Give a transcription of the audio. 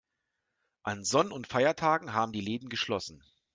An Sonn- und Feiertagen haben die Läden geschlossen.